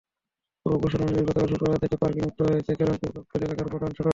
পূর্ব ঘোষণা অনুযায়ী গতকাল শুক্রবার থেকে পার্কিং মুক্ত হয়েছে কল্যাণপুর-গাবতলী এলাকার প্রধান সড়ক।